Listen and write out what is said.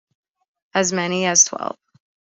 As many as twelve.